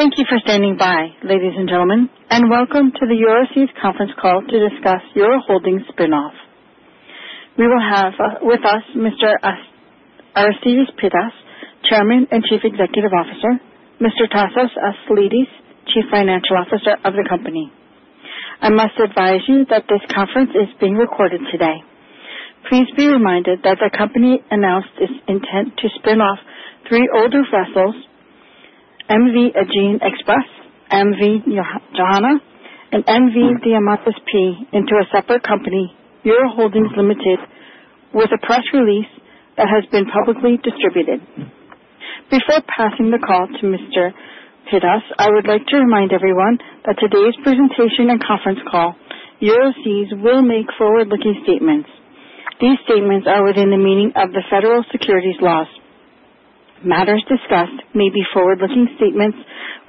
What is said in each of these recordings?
Thank you for standing by, ladies and gentlemen, and welcome to the Euroseas conference call to discuss the Euroholdings spin-off. We will have with us Mr. Aristides Pittas, Chairman and Chief Executive Officer. Mr. Tasos Aslidis, Chief Financial Officer of the company. I must advise you that this conference is being recorded today. Please be reminded that the company announced its intent to spin off three older vessels, M/V Aegean Express, M/V Joanna, and M/V Diamantis P, into a separate company, Euroholdings Ltd, with a press release that has been publicly distributed. Before passing the call to Mr. Pittas, I would like to remind everyone that today's presentation and conference call, Euroseas will make forward-looking statements. These statements are within the meaning of the federal securities laws. Matters discussed may be forward-looking statements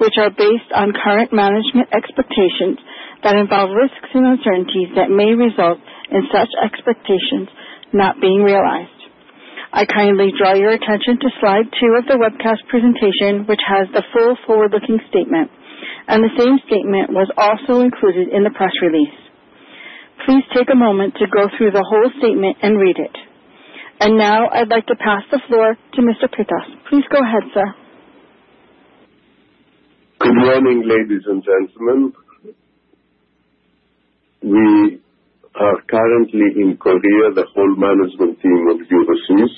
which are based on current management expectations that involve risks and uncertainties that may result in such expectations not being realized. I kindly draw your attention to slide two of the webcast presentation, which has the full forward-looking statement, and the same statement was also included in the press release. Please take a moment to go through the whole statement and read it. And now I'd like to pass the floor to Mr. Pittas. Please go ahead, sir. Good morning, ladies and gentlemen. We are currently in Korea, the whole management team of Euroseas.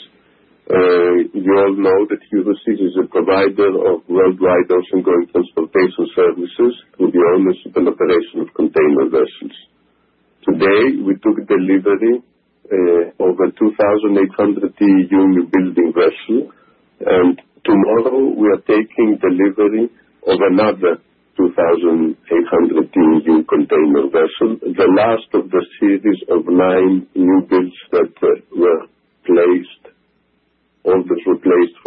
You all know that Euroseas is a provider of worldwide ocean-going transportation services with the ownership and operation of container vessels. Today we took delivery of a 2,800 TEU newbuilding vessel, and tomorrow we are taking delivery of another 2,800 TEU container vessel, the last of the series of nine new builds that were placed, all that were placed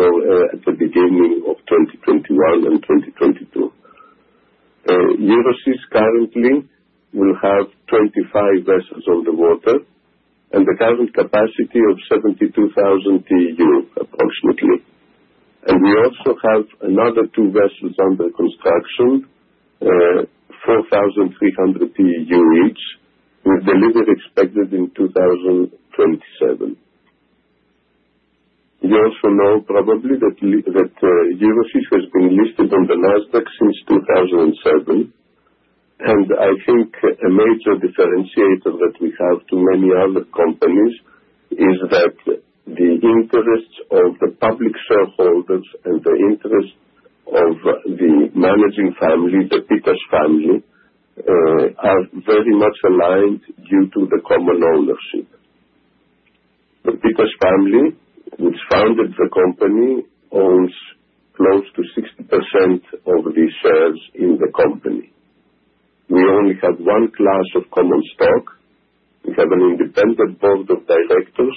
at the beginning of 2021 and 2022. Euroseas currently will have 25 vessels on the water and the current capacity of 72,000 TEU, approximately, and we also have another two vessels under construction, 4,300 TEU each, with delivery expected in 2027. You also know probably that Euroseas has been listed on the Nasdaq since 2007, and I think a major differentiator that we have to many other companies is that the interests of the public shareholders and the interests of the managing family, the Pittas family, are very much aligned due to the common ownership. The Pittas family, which founded the company, owns close to 60% of the shares in the company. We only have one class of common stock. We have an independent board of directors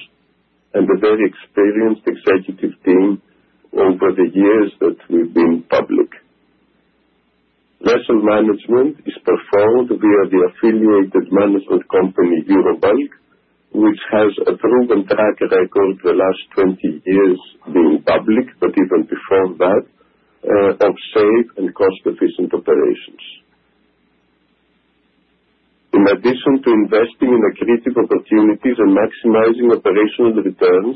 and a very experienced executive team over the years that we've been public. Vessel management is performed via the affiliated management company, Eurobulk, which has a proven track record the last 20 years being public, but even before that, of safe and cost-efficient operations. In addition to investing in accretive opportunities and maximizing operational returns,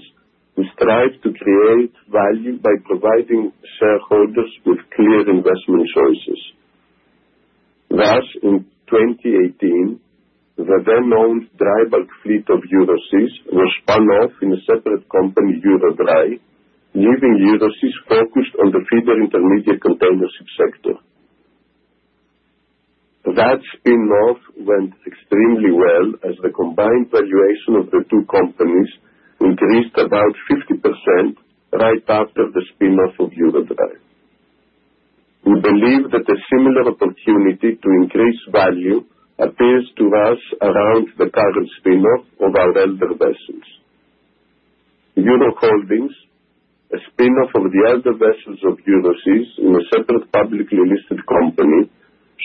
we strive to create value by providing shareholders with clear investment choices. Thus, in 2018, the then-owned drybulk fleet of Euroseas was spun off in a separate company, EuroDry, leaving Euroseas focused on the feeder intermediate container ship sector. That spin-off went extremely well as the combined valuation of the two companies increased about 50% right after the spin-off of EuroDry. We believe that a similar opportunity to increase value appears to us around the current spin-off of our elder vessels. Euroholdings, a spin-off of the elder vessels of Euroseas in a separate publicly listed company,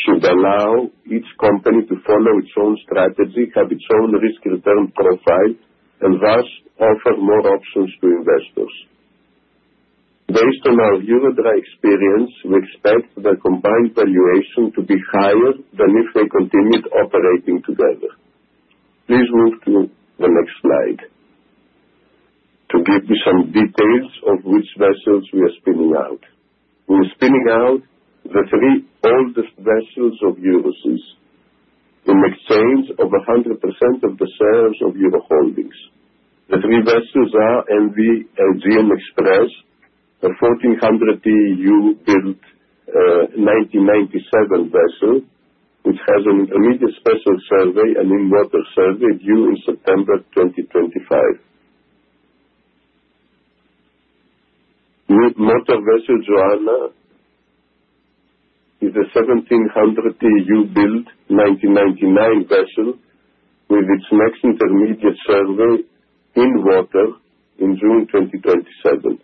should allow each company to follow its own strategy, have its own risk-return profile, and thus offer more options to investors. Based on our EuroDry experience, we expect the combined valuation to be higher than if they continued operating together. Please move to the next slide to give you some details of which vessels we are spinning out. We are spinning out the three oldest vessels of Euroseas in exchange for 100% of the shares of Euroholdings. The three vessels are M/V Aegean Express, a 1,400 TEU built 1997 vessel which has an intermediate special survey and in-water survey due in September 2025. The motor vessel Joanna is a 1,700 TEU built 1999 vessel with its next intermediate survey in-water in June 2027,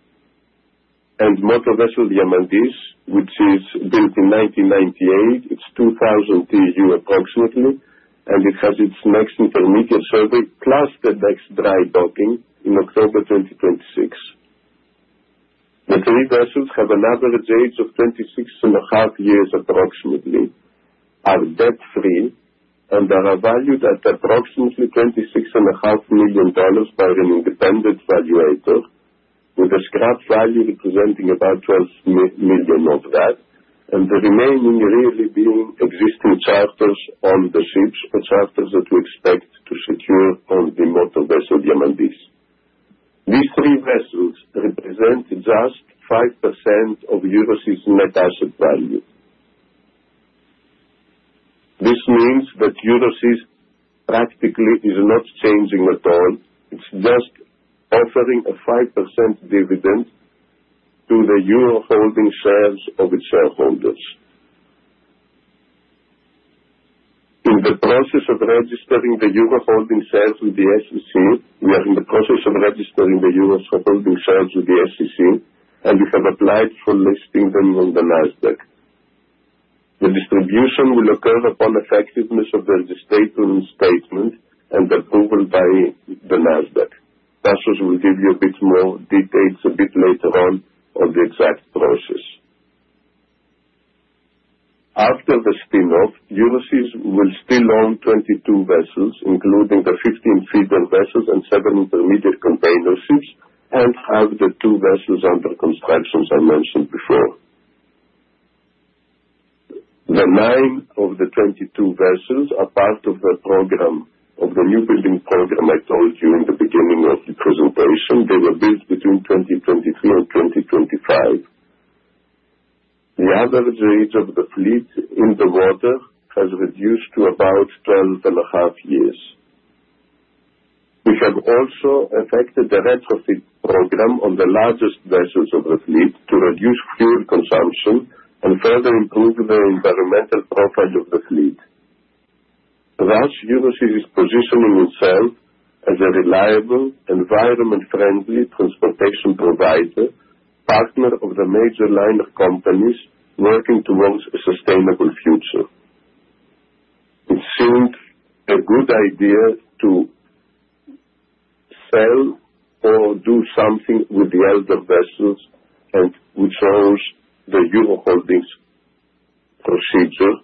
and motor vessel Diamantis P, which is built in 1998, it's 2,000 TEU approximately, and it has its next intermediate survey plus the next drydocking in October 2026. The three vessels have an average age of 26 and a half years, approximately, are debt-free, and are valued at approximately $26.5 million by an independent valuator, with a scrap value representing about $12 million of that, and the remaining really being existing charters on the ships or charters that we expect to secure on the motor vessel Diamantis P. These three vessels represent just 5% of Euroseas' net asset value. This means that Euroseas practically is not changing at all. It's just offering a 5% dividend to the Euroholdings shares of its shareholders. In the process of registering the Euroholdings shares with the SEC, and we have applied for listing them on the Nasdaq. The distribution will occur upon effectiveness of the registration statement and approval by the Nasdaq. Tasos will give you a bit more details a bit later on on the exact process. After the spin-off, Euroseas will still own 22 vessels, including the 15 feeder vessels and seven intermediate containerships, and have the two vessels under construction as I mentioned before. The nine of the 22 vessels are part of the program, of the newbuilding program I told you in the beginning of the presentation. They were built between 2023 and 2025. The average age of the fleet in the water has reduced to about 12 and a half years. We have also effected the retrofit program on the largest vessels of the fleet to reduce fuel consumption and further improve the environmental profile of the fleet. Thus, Euroseas is positioning itself as a reliable, environment-friendly transportation provider, partner of the major liner companies working towards a sustainable future. It seemed a good idea to sell or do something with the elder vessels and which owns the Euroholdings procedure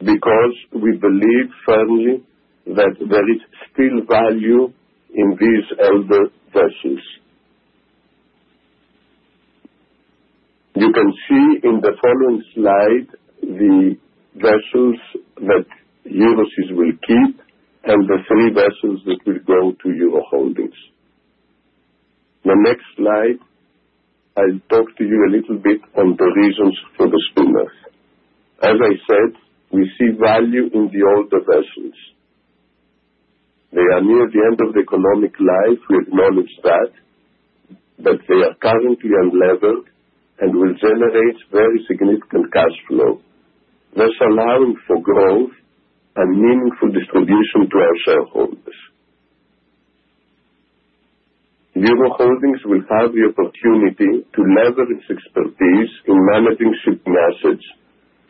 because we believe firmly that there is still value in these elder vessels. You can see in the following slide the vessels that Euroseas will keep and the three vessels that will go to Euroholdings. The next slide, I'll talk to you a little bit on the reasons for the spin-off. As I said, we see value in the older vessels. They are near the end of their economic life. We acknowledge that, but they are currently unlevered and will generate very significant cash flow, thus allowing for growth and meaningful distribution to our shareholders. Euroholdings will have the opportunity to lever its expertise in managing shipping assets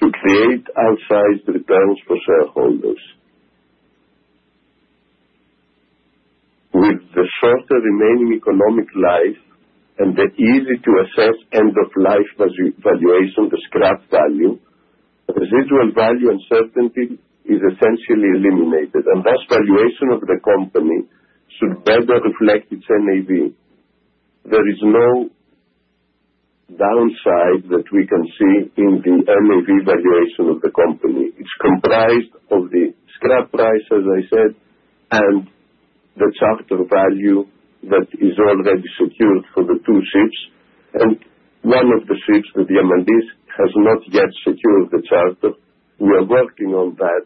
to create outsized returns for shareholders. With the shorter remaining economic life and the easy-to-assess end-of-life valuation, the scrap value, residual value uncertainty is essentially eliminated, and thus valuation of the company should better reflect its NAV. There is no downside that we can see in the NAV valuation of the company. It's comprised of the scrap price, as I said, and the charter value that is already secured for the two ships, and one of the ships, the Diamantis, has not yet secured the charter. We are working on that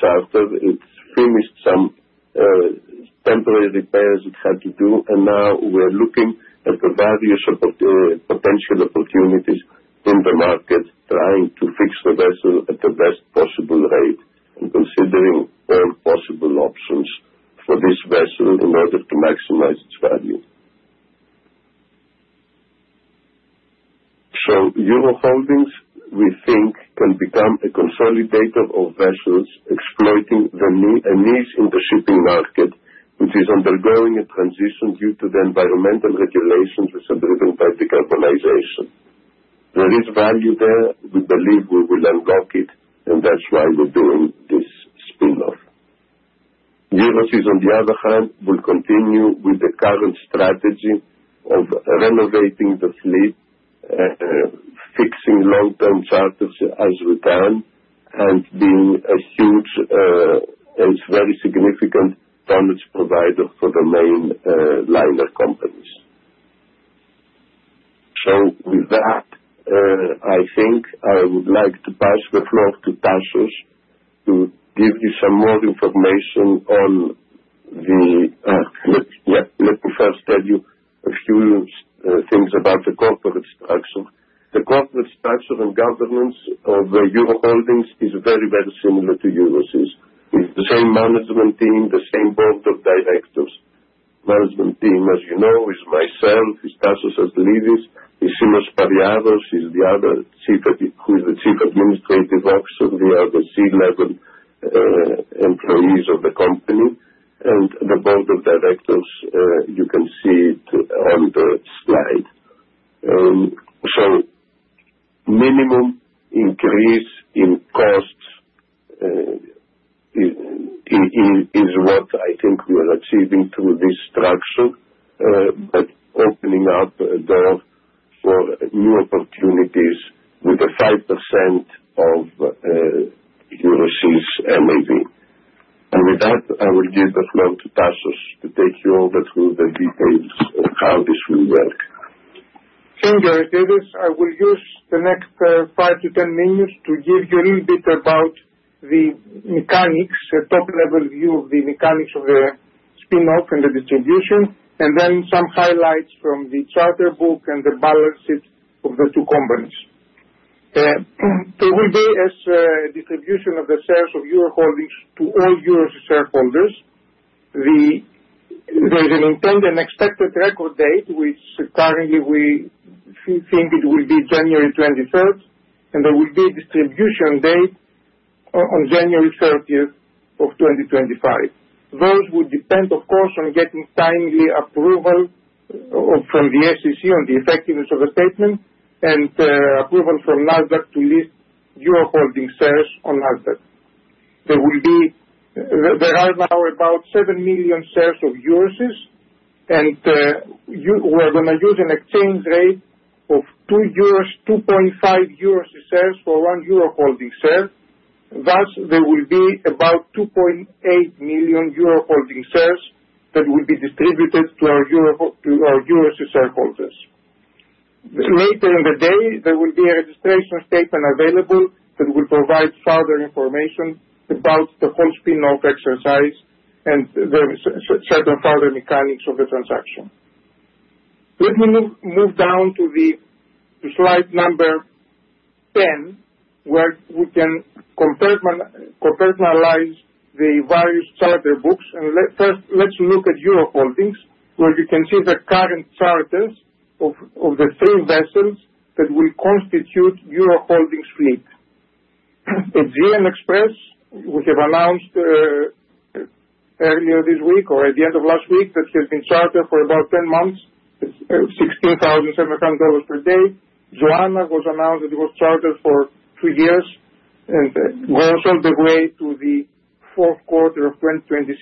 charter. It's finished some temporary repairs it had to do, and now we are looking at the value of potential opportunities in the market, trying to fix the vessel at the best possible rate and considering all possible options for this vessel in order to maximize its value. Euroholdings, we think, can become a consolidator of vessels exploiting the needs in the shipping market, which is undergoing a transition due to the environmental regulations that are driven by decarbonization. There is value there. We believe we will unlock it, and that's why we're doing this spin-off. Euroseas, on the other hand, will continue with the current strategy of renovating the fleet, fixing long-term charters as we can, and being a huge, very significant tonnage provider for the main liner companies. With that, I think I would like to pass the floor to Tasos to give you some more information on the. Let me first tell you a few things about the corporate structure. The corporate structure and governance of Euroholdings is very, very similar to Euroseas. It's the same management team, the same board of directors. Management team, as you know, is myself, is Tasos Aslidis, is Simos Pariaros, is the other who is the Chief Administrative Officer. They are the C-level employees of the company, and the board of directors, you can see it on the slide, so minimum increase in costs is what I think we are achieving through this structure, but opening up a door for new opportunities with a 5% of Euroseas' NAV, and with that, I will give the floor to Tasos to take you through the details of how this will work. Thank you, Aristides. I will use the next five to 10 minutes to give you a little bit about the mechanics, a top-level view of the mechanics of the spin-off and the distribution, and then some highlights from the charter book and the balance sheet of the two companies. There will be a distribution of the shares of Euroholdings to all Euroseas shareholders. There is an intended and expected record date, which currently we think it will be January 23rd, and there will be a distribution date on January 30th of 2025. Those would depend, of course, on getting timely approval from the SEC on the effectiveness of the statement and approval from Nasdaq to list Euroholdings shares on Nasdaq. There are now about 7 million shares of Euroseas, and we are going to use an exchange rate of 2.5 Euroseas shares for one Euroholdings share. Thus, there will be about 2.8 million Euroholdings shares that will be distributed to our Euroseas shareholders. Later in the day, there will be a registration statement available that will provide further information about the whole spin-off exercise and the certain further mechanics of the transaction. Let me move down to slide number 10, where we can compare and analyze the various charter books. And first, let's look at Euroholdings, where you can see the current charters of the three vessels that will constitute Euroholdings fleet. Aegean Express, we have announced earlier this week or at the end of last week, that has been chartered for about 10 months, $16,700 per day. Joanna was announced that it was chartered for two years and goes all the way to the fourth quarter of 2026.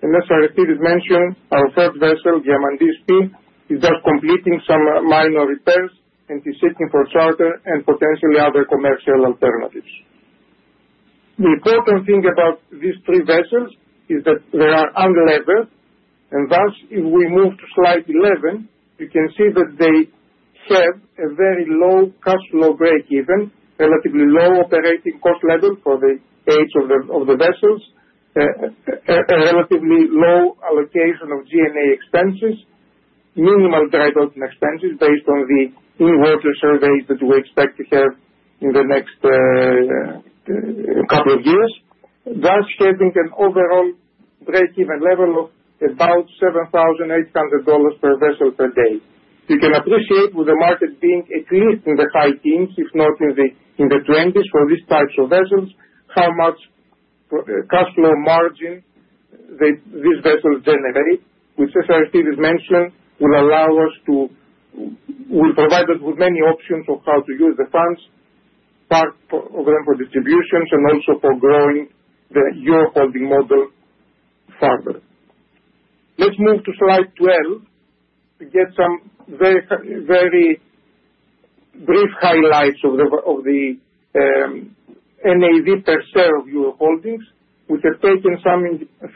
As Aristides mentioned, our third vessel, Diamantis P, is just completing some minor repairs and is seeking for charter and potentially other commercial alternatives. The important thing about these three vessels is that they are unlevered, and thus, if we move to slide 11, you can see that they set a very low cash flow break-even, relatively low operating cost level for the age of the vessels, a relatively low allocation of G&A expenses, minimal drydocking expenses based on the in-water surveys that we expect to have in the next couple of years, thus having an overall break-even level of about $7,800 per vessel per day. You can appreciate, with the market being at least in the high teens, if not in the 20s for these types of vessels, how much cash flow margin these vessels generate, which, as Aristides mentioned, will allow us to, will provide us with many options of how to use the funds, part of them for distributions and also for growing the Euroholdings model further. Let's move to slide 12 to get some very brief highlights of the NAV per share of Euroholdings. We have taken some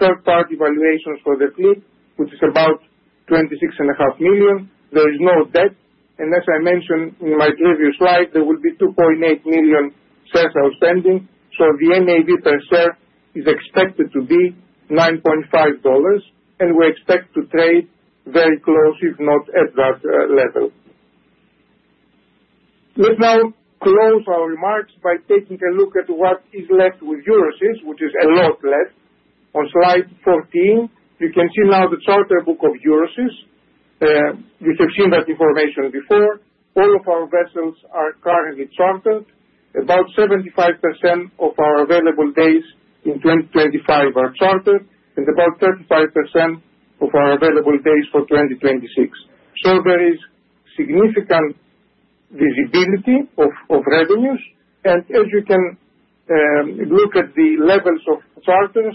third-party valuations for the fleet, which is about $26.5 million. There is no debt, and as I mentioned in my previous slide, there will be 2.8 million shares outstanding, so the NAV per share is expected to be $9.5, and we expect to trade very close, if not at that level. Let's now close our remarks by taking a look at what is left with Euroseas, which is a lot left. On slide 14, you can see now the charter book of Euroseas. We have seen that information before. All of our vessels are currently chartered. About 75% of our available days in 2025 are chartered, and about 35% of our available days for 2026. So there is significant visibility of revenues, and as you can look at the levels of charters,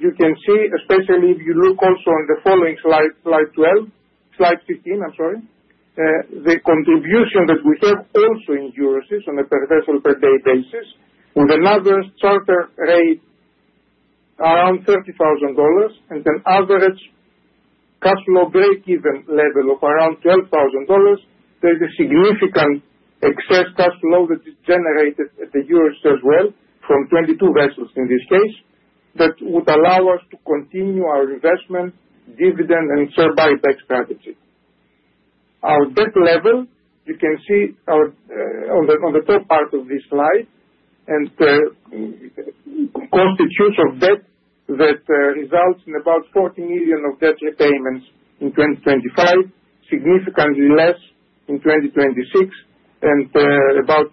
you can see, especially if you look also on the following slide, slide 12, slide 16, I'm sorry, the contribution that we have also in Euroseas on a per vessel per day basis, with an average charter rate around $30,000 and an average cash flow break-even level of around $12,000. There is a significant excess cash flow that is generated at the Euroseas as well from 22 vessels in this case that would allow us to continue our investment, dividend, and share buyback strategy. Our debt level, you can see on the top part of this slide, constitutes of debt that results in about $40 million of debt repayments in 2025, significantly less in 2026, and about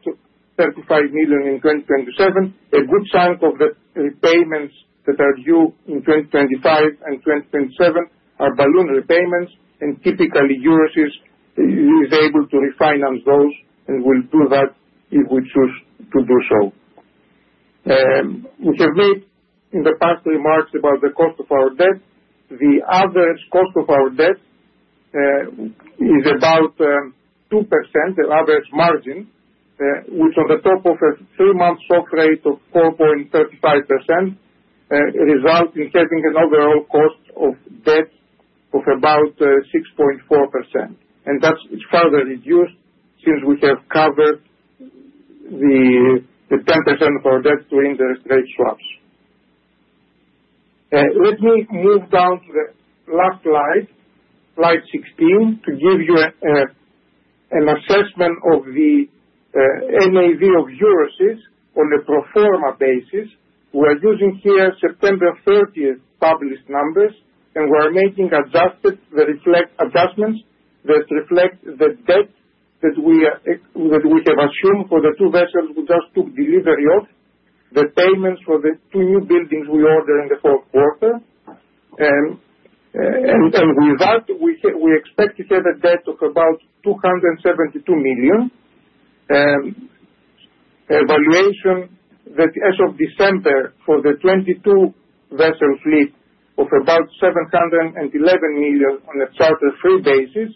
$35 million in 2027. A good chunk of the repayments that are due in 2025 and 2027 are balloon repayments, and typically, Euroseas is able to refinance those and will do that if we choose to do so. We have made in the past remarks about the cost of our debt. The average cost of our debt is about 2%, the average margin, which on top of a three-month SOFR rate of 4.35%, results in having an overall cost of debt of about 6.4%, and that's further reduced since we have covered the 10% of our debt doing the rate swaps. Let me move down to the last slide, slide 16, to give you an assessment of the NAV of Euroseas on a pro forma basis. We are using here September 30th published numbers, and we are making adjustments that reflect the debt that we have assumed for the two vessels we just took delivery of, the payments for the two newbuildings we ordered in the fourth quarter. And with that, we expect to have a debt of about $272 million, a valuation that as of December for the 22-vessel fleet of about $711 million on a charter-free basis,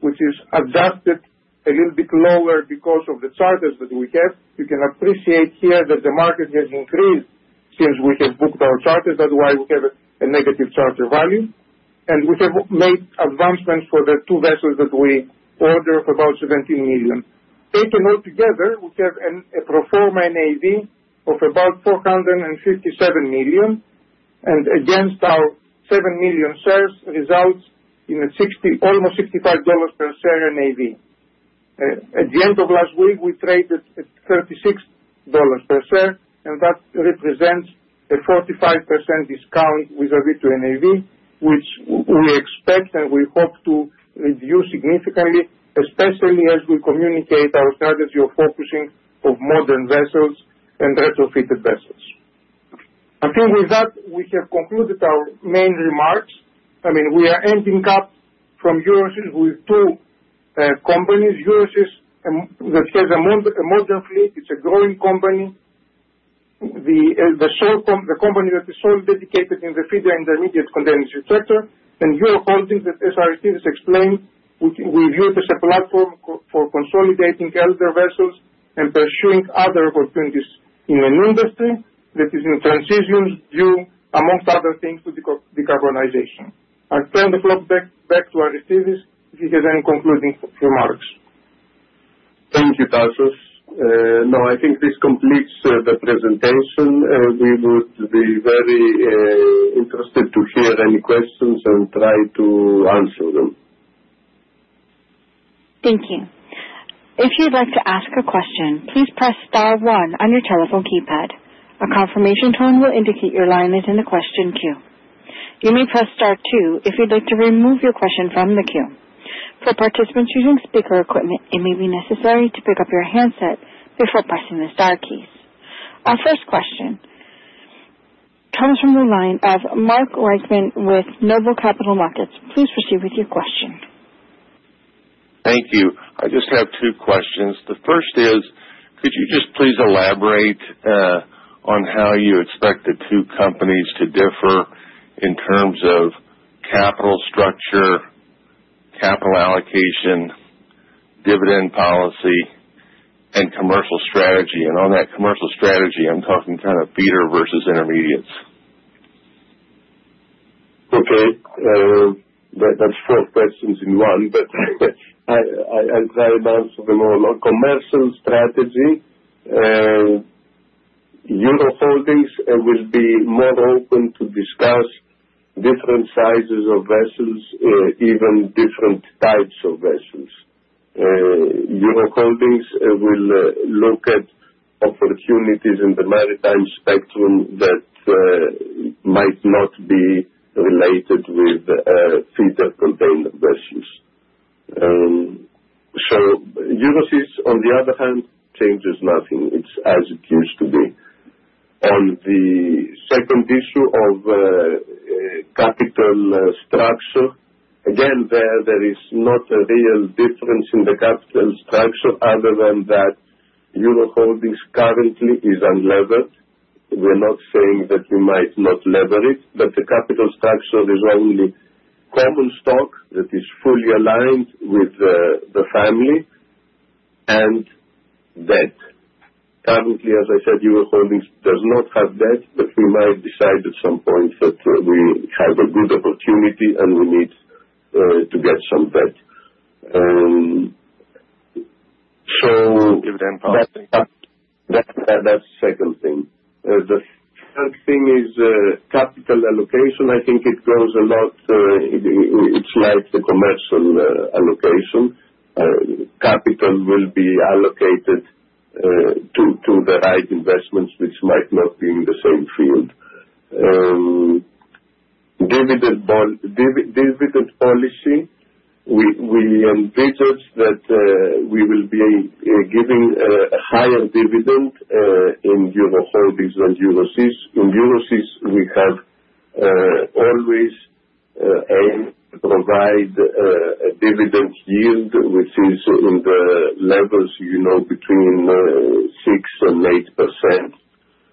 which is adjusted a little bit lower because of the charters that we have. You can appreciate here that the market has increased since we have booked our charters. That's why we have a negative charter value. And we have made advancements for the two vessels that we ordered of about $17 million. Taken all together, we have a proforma NAV of about $457 million, and against our 7 million shares, results in almost $65 per share NAV. At the end of last week, we traded at $36 per share, and that represents a 45% discount vis-à-vis to NAV, which we expect and we hope to reduce significantly, especially as we communicate our strategy of focusing on modern vessels and retrofitted vessels. I think with that, we have concluded our main remarks. I mean, we are ending up from Euroseas with two companies. Euroseas, that has a modern fleet, it's a growing company. The company that is solely dedicated in the feeder intermediate containership sector, and Euroholdings, as Aristides explained, we view it as a platform for consolidating elder vessels and pursuing other opportunities in an industry that is in transition due, among other things, to decarbonization. I'll turn the floor back to Aristides if he has any concluding remarks. Thank you, Tasos. No, I think this completes the presentation. We would be very interested to hear any questions and try to answer them. Thank you. If you'd like to ask a question, please press star one on your telephone keypad. A confirmation tone will indicate your line is in the question queue. You may press star two if you'd like to remove your question from the queue. For participants using speaker equipment, it may be necessary to pick up your handset before pressing the star keys. Our first question comes from the line of Mark Reichman with NOBLE Capital Markets. Please proceed with your question. Thank you. I just have two questions. The first is, could you just please elaborate on how you expect the two companies to differ in terms of capital structure, capital allocation, dividend policy, and commercial strategy? And on that commercial strategy, I'm talking kind of feeder versus intermediates. Okay. That's four questions in one, but I'll try to answer them all. On commercial strategy, Euroholdings will be more open to discuss different sizes of vessels, even different types of vessels. Euroholdings will look at opportunities in the maritime spectrum that might not be related with feeder container vessels. So Euroseas, on the other hand, changes nothing. It's as it used to be. On the second issue of capital structure, again, there is not a real difference in the capital structure other than that Euroholdings currently is unlevered. We're not saying that we might not lever it, but the capital structure is only common stock that is fully aligned with the family and debt. Currently, as I said, Euroholdings does not have debt, but we might decide at some point that we have a good opportunity and we need to get some debt. So. Dividend policy. That's the second thing. The third thing is capital allocation. I think it goes a lot, it's like the commercial allocation. Capital will be allocated to the right investments, which might not be in the same field. Dividend policy, we envisage that we will be giving a higher dividend in Euroholdings than Euroseas. In Euroseas, we have always aimed to provide a dividend yield, which is in the levels between 6% and 8%,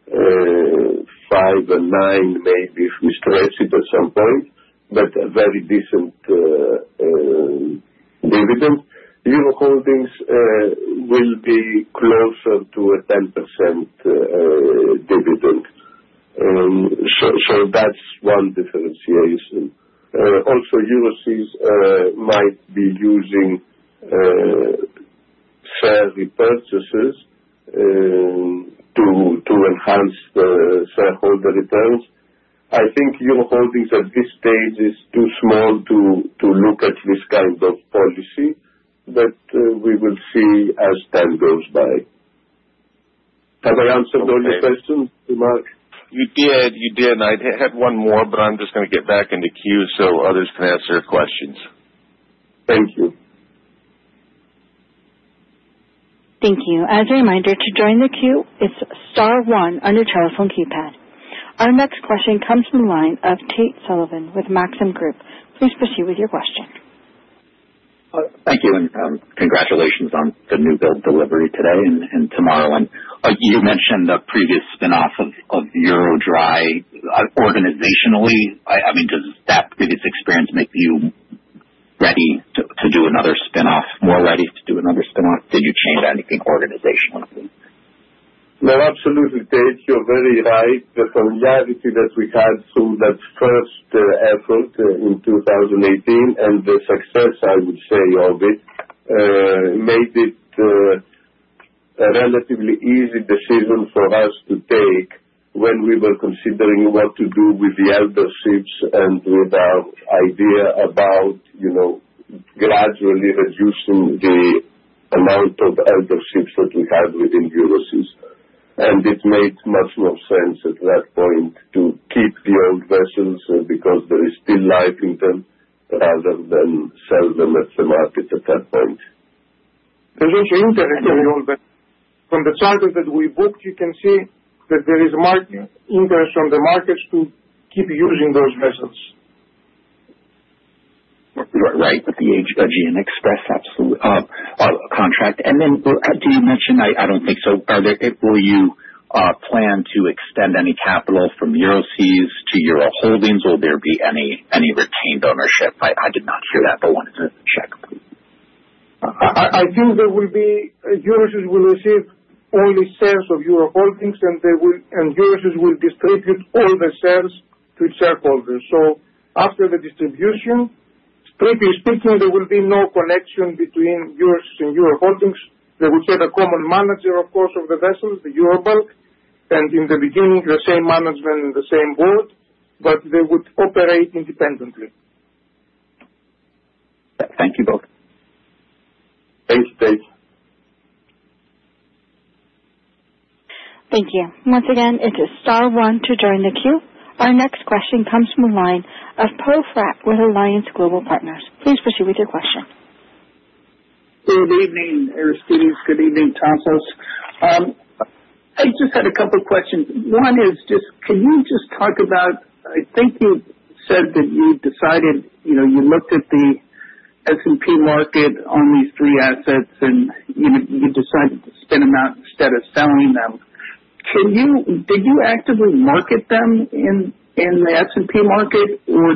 5% and 9% maybe if we stretch it at some point, but a very decent dividend. Euroholdings will be closer to a 10% dividend. So that's one differentiation. Also, Euroseas might be using share repurchases to enhance the shareholder returns. I think Euroholdings at this stage is too small to look at this kind of policy, but we will see as time goes by. Have I answered all your questions, Mark? You did. You did. And I had one more, but I'm just going to get back in the queue so others can answer questions. Thank you. Thank you. As a reminder, to join the queue, it's star one on your telephone keypad. Our next question comes from the line of Tate Sullivan with Maxim Group. Please proceed with your question. Thank you, and congratulations on the new build delivery today and tomorrow. And you mentioned the previous spin-off of EuroDry organizationally. I mean, does that previous experience make you ready to do another spin-off, more ready to do another spin-off? Did you change anything organizationally? Absolutely, Tate, you're very right. The solidarity that we had through that first effort in 2018 and the success, I would say, of it made it a relatively easy decision for us to take when we were considering what to do with the elder ships and with our idea about gradually reducing the amount of elder ships that we had within Euroseas. It made much more sense at that point to keep the old vessels because there is still life in them rather than sell them at the market at that point. There is interest in the old vessels. From the charters that we booked, you can see that there is marked interest on the markets to keep using those vessels. Right, the Aegean Express contract. And then did you mention—I don't think so—were you planning to extend any capital from Euroseas to Euroholdings? Will there be any retained ownership? I did not hear that, but I wanted to check. I think there will be, Euroseas will receive only shares of Euroholdings, and Euroseas will distribute all the shares to its shareholders. So after the distribution, strictly speaking, there will be no connection between Euroseas and Euroholdings. They will have a common manager, of course, of the vessels, the Eurobulk, and in the beginning, the same management and the same board, but they would operate independently. Thank you both. Thank you, Tate. Thank you. Once again, it is star one to join the queue. Our next question comes from the line of Poe Fratt with Alliance Global Partners. Please proceed with your question. Good evening, Aristides. Good evening, Tasos. I just had a couple of questions. One is just, can you just talk about—I think you said that you decided you looked at the S&P market on these three assets, and you decided to spin them out instead of selling them. Did you actively market them in the S&P market, or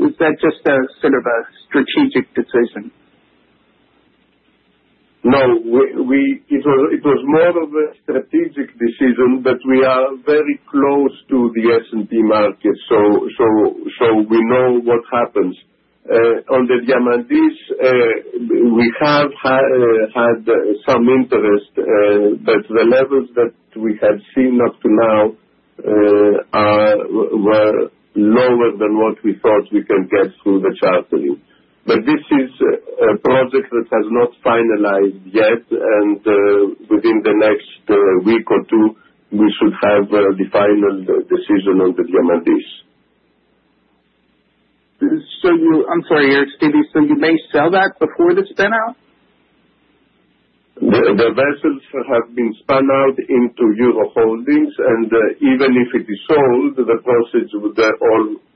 was that just sort of a strategic decision? No, it was more of a strategic decision, but we are very close to the S&P market, so we know what happens. On the Diamantis, we have had some interest, but the levels that we have seen up to now were lower than what we thought we can get through the chartering. But this is a project that has not finalized yet, and within the next week or two, we should have the final decision on the Diamantis. I'm sorry, Aristides, so you may sell that before the spin-off? The vessels have been spun out into Euroholdings, and even if it is sold, the proceeds would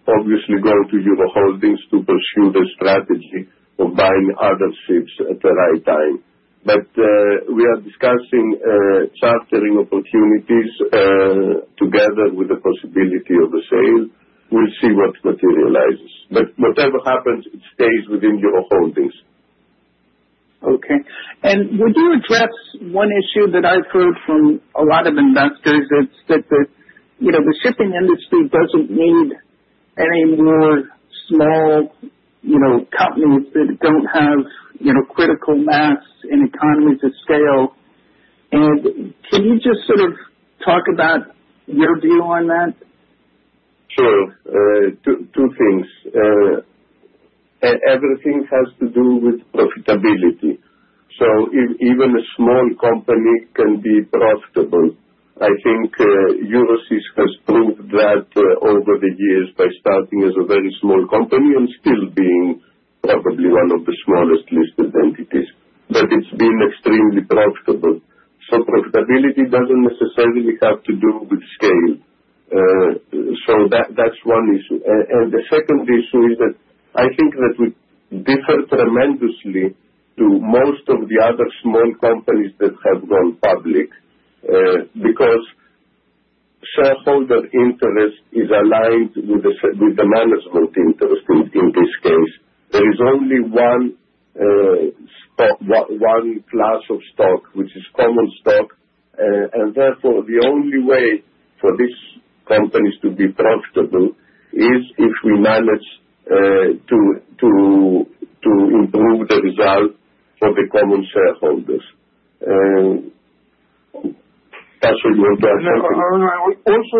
obviously go to Euroholdings to pursue the strategy of buying other ships at the right time. But we are discussing chartering opportunities together with the possibility of a sale. We'll see what materializes. But whatever happens, it stays within Euroholdings. Okay. And would you address one issue that I've heard from a lot of investors? It's that the shipping industry doesn't need any more small companies that don't have critical mass and economies of scale. And can you just sort of talk about your view on that? Sure. Two things. Everything has to do with profitability. So even a small company can be profitable. I think Euroseas has proved that over the years by starting as a very small company and still being probably one of the smallest listed entities, but it's been extremely profitable. So profitability doesn't necessarily have to do with scale. So that's one issue. And the second issue is that I think that we differ tremendously to most of the other small companies that have gone public because shareholder interest is aligned with the management interest in this case. There is only one class of stock, which is common stock, and therefore the only way for these companies to be profitable is if we manage to improve the result for the common shareholders. Tasos, you want to add something? Also,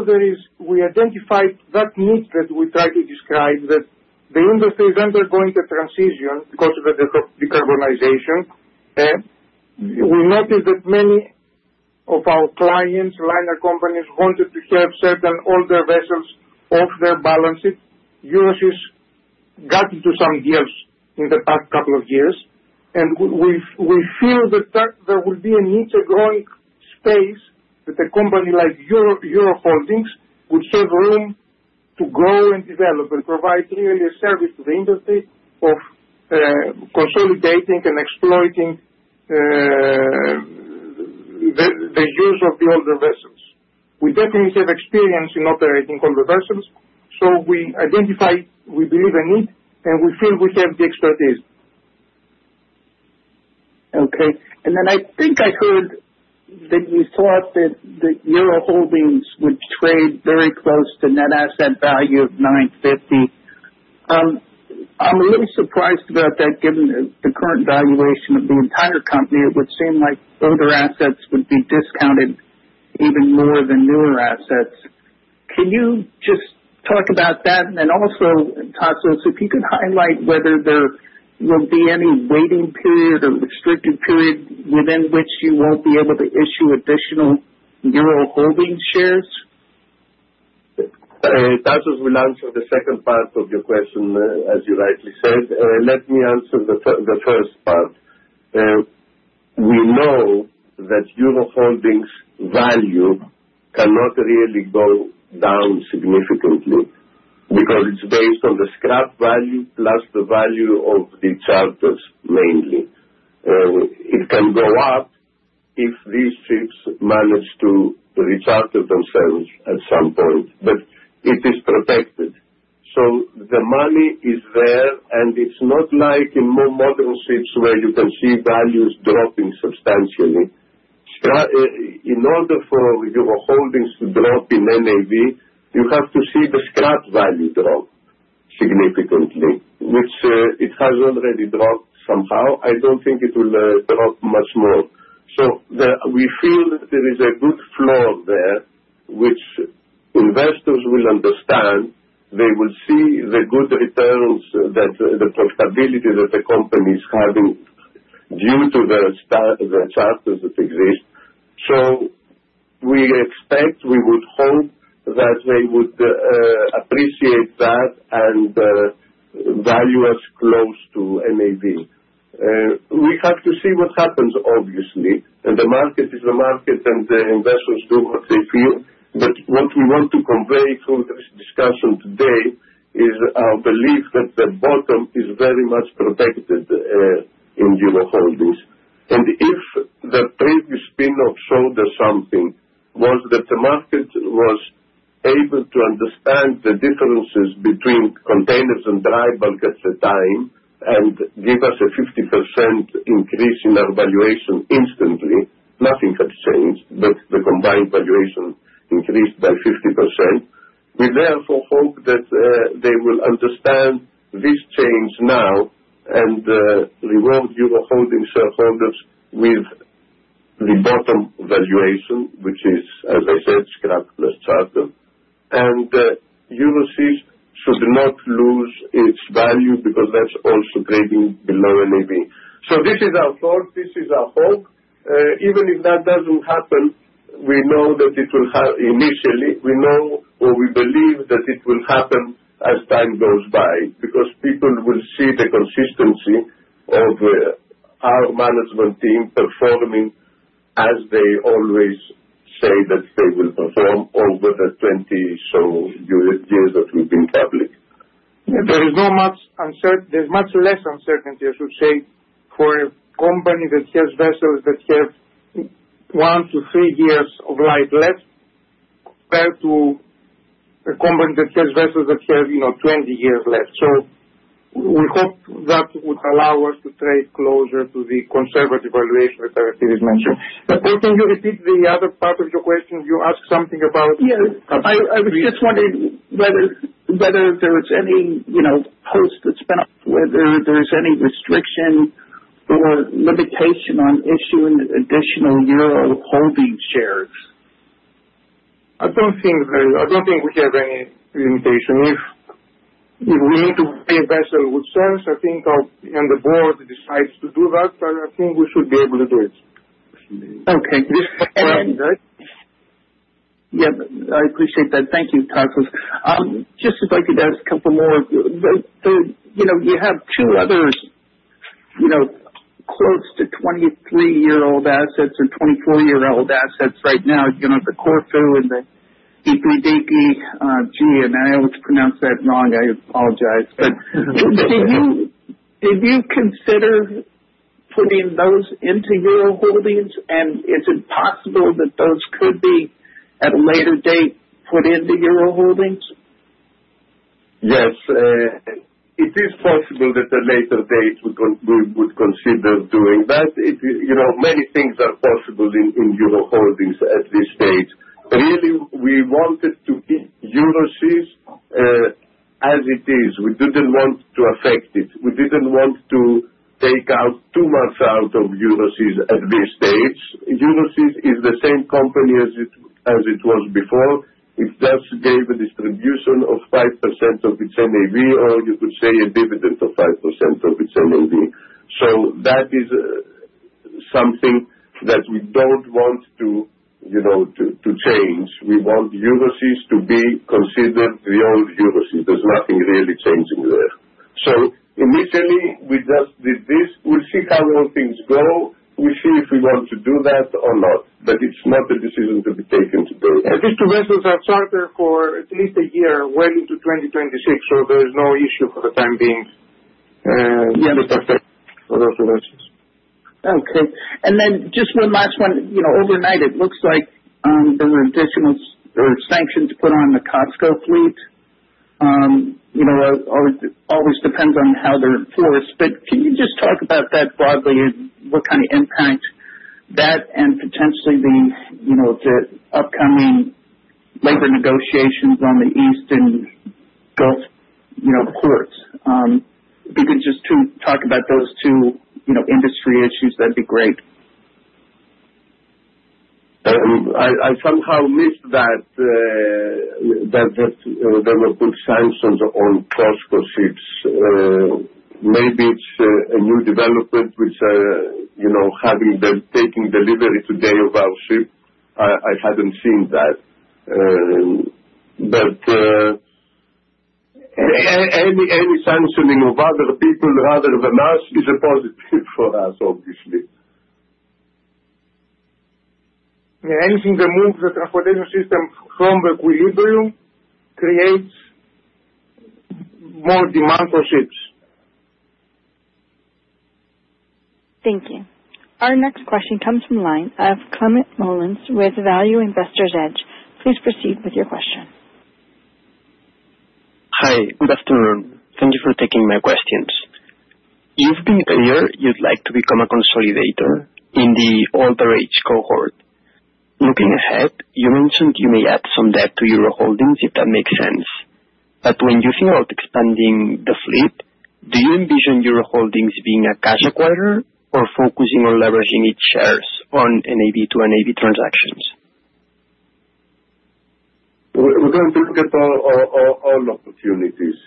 we identified that need, that we tried to describe, that the industry is undergoing a transition because of the decarbonization. We noticed that many of our clients, liner companies, wanted to have certain older vessels off their balance sheets. Euroseas got into some deals in the past couple of years, and we feel that there will be a need to grow space that a company like Euroholdings would have room to grow and develop and provide really a service to the industry of consolidating and exploiting the use of the older vessels. We definitely have experience in operating older vessels, so we identified we believe in it, and we feel we have the expertise. Okay. And then I think I heard that you thought that Euroholdings would trade very close to net asset value of [$9.50]. I'm a little surprised about that given the current valuation of the entire company. It would seem like older assets would be discounted even more than newer assets. Can you just talk about that? And then also, Tasos, if you could highlight whether there will be any waiting period or restricted period within which you won't be able to issue additional Euroholdings shares? Tasos will answer the second part of your question, as you rightly said. Let me answer the first part. We know that Euroholdings' value cannot really go down significantly because it's based on the scrap value plus the value of the charters, mainly. It can go up if these ships manage to recharter themselves at some point, but it is protected. So the money is there, and it's not like in more modern ships where you can see values dropping substantially. In order for Euroholdings to drop in NAV, you have to see the scrap value drop significantly, which it has already dropped somehow. I don't think it will drop much more. So we feel that there is a good floor there, which investors will understand. They will see the good returns, the profitability that the company is having due to the charters that exist. So we expect, we would hope that they would appreciate that and value us close to NAV. We have to see what happens, obviously. The market is the market, and the investors do what they feel. But what we want to convey through this discussion today is our belief that the bottom is very much protected in Euroholdings. And if the previous spin-off showed us something, was that the market was able to understand the differences between containers and dry bulk at the time and give us a 50% increase in our valuation instantly. Nothing has changed, but the combined valuation increased by 50%. We therefore hope that they will understand this change now and reward Euroholdings shareholders with the bottom valuation, which is, as I said, scrap plus charter. And Euroseas should not lose its value because that's also trading below NAV. So this is our thought. This is our hope. Even if that doesn't happen, we know or we believe that it will happen as time goes by because people will see the consistency of our management team performing as they always say that they will perform over the 20 or so years that we've been public. There is much less uncertainty, I should say, for a company that has vessels that have one to three years of life left compared to a company that has vessels that have 20 years left. So we hope that would allow us to trade closer to the conservative valuation that Aristides mentioned. But can you repeat the other part of your question? You asked something about. Yes. I just wondered whether there was any post that's been up, whether there's any restriction or limitation on issuing additional Euroholdings shares. I don't think so. I don't think we have any limitation. If we need to buy a vessel, it would serve. I think the board decides to do that, but I think we should be able to do it. Okay. This question is right? Yep. I appreciate that. Thank you, Tasos. Just if I could ask a couple more. You have two other close to 23-year-old assets and 24-year-old assets right now. You have the Corfu and the Evridiki G—I always pronounce that wrong. I apologize. But did you consider putting those into Euroholdings? And is it possible that those could be, at a later date, put into Euroholdings? Yes. It is possible that at a later date we would consider doing that. Many things are possible in Euroholdings at this stage. Really, we wanted to keep Euroseas as it is. We didn't want to affect it. We didn't want to take out too much out of Euroseas at this stage. Euroseas is the same company as it was before. It just gave a distribution of 5% of its NAV, or you could say a dividend of 5% of its NAV. So that is something that we don't want to change. We want Euroseas to be considered the old Euroseas. There's nothing really changing there. So initially, we just did this. We'll see how all things go. We'll see if we want to do that or not. But it's not a decision to be taken today. These two vessels are chartered for at least a year, well into 2026, so there's no issue for the time being with. For those two vessels. Okay. And then just one last one. Overnight, it looks like there were additional sanctions put on the COSCO fleet. It always depends on how they're enforced. But can you just talk about that broadly and what kind of impact that and potentially the upcoming labor negotiations on the East and Gulf ports? If you could just talk about those two industry issues, that'd be great. I somehow missed that there were good sanctions on COSCO ships. Maybe it's a new development with having them taking delivery today of our ship. I hadn't seen that. But any sanctioning of other people rather than us is a positive for us, obviously. Anything to move the transportation system from equilibrium creates more demand for ships. Thank you. Our next question comes from the line of Climent Molins with Value Investor's Edge. Please proceed with your question. Hi, investors. Thank you for taking my questions. You've been clear you'd like to become a consolidator in the older age cohort. Looking ahead, you mentioned you may add some debt to Euroholdings if that makes sense. But when you think about expanding the fleet, do you envision Euroholdings being a cash acquirer or focusing on leveraging its shares on NAV to NAV transactions? We're going to look at all opportunities.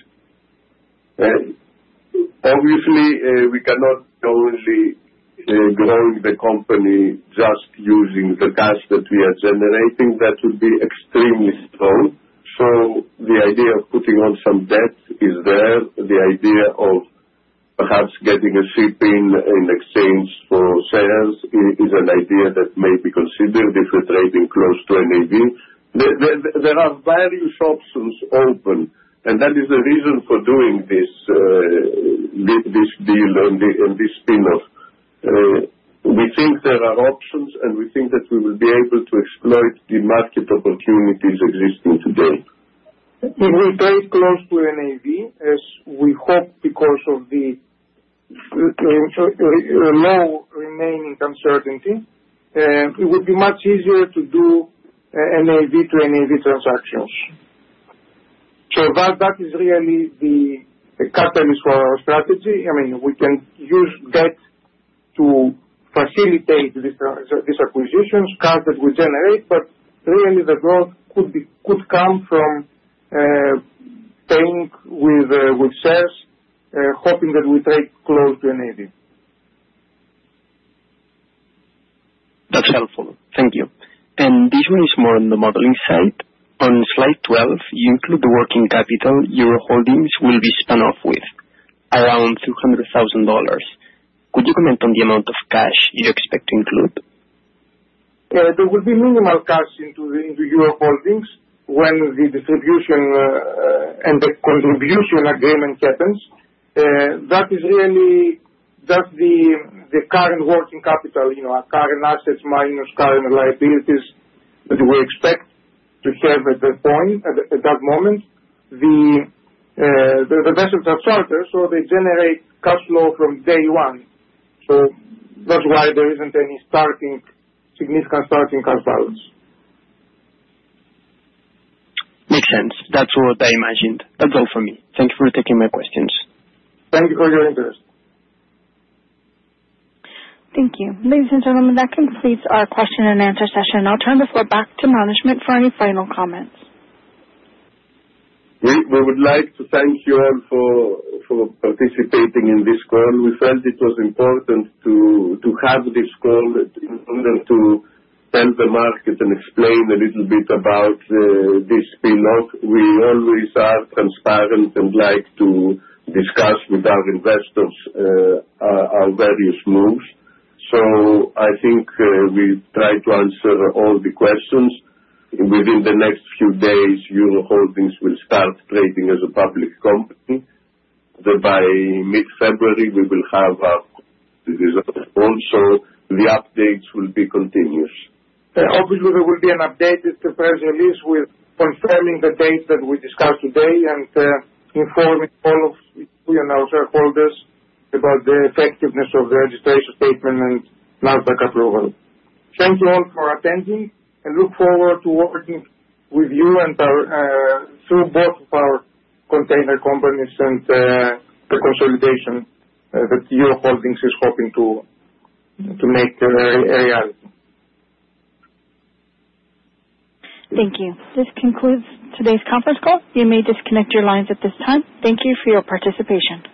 Obviously, we cannot only grow the company just using the cash that we are generating. That would be extremely slow. So the idea of putting on some debt is there. The idea of perhaps getting a ship in exchange for shares is an idea that may be considered if we're trading close to NAV. There are various options open, and that is the reason for doing this deal and this spin-off. We think there are options, and we think that we will be able to exploit the market opportunities existing today. If we trade close to NAV, as we hope because of the low remaining uncertainty, it would be much easier to do NAV to NAV transactions, so that is really the catalyst for our strategy. I mean, we can use debt to facilitate these acquisitions, cash that we generate, but really the growth could come from paying with shares, hoping that we trade close to NAV. That's helpful. Thank you. And this one is more on the modeling side. On slide 12, you include the working capital Euroholdings will be spun off with, around $200,000. Could you comment on the amount of cash you expect to include? There will be minimal cash into Euroholdings when the distribution and the contribution agreement happens. That is really just the current working capital, current assets minus current liabilities that we expect to have at that moment. The vessels are chartered, so they generate cash flow from day one. So that's why there isn't any significant starting cash balance. Makes sense. That's what I imagined. That's all for me. Thank you for taking my questions. Thank you for your interest. Thank you. Ladies and gentlemen, that completes our question and answer session. I'll turn this one back to management for any final comments. We would like to thank you all for participating in this call. We felt it was important to have this call in order to tell the market and explain a little bit about this spin-off. We always are transparent and like to discuss with our investors our various moves. So I think we've tried to answer all the questions. Within the next few days, Euroholdings will start trading as a public company. By mid-February, we will have our. Also the updates will be continuous. Obviously, there will be an updated press release with confirming the date that we discussed today and informing all of your shareholders about the effectiveness of the registration statement and Nasdaq approval. Thank you all for attending, and look forward to working with you and through both of our container companies and the consolidation that Euroholdings is hoping to make a reality. Thank you. This concludes today's conference call. You may disconnect your lines at this time. Thank you for your participation.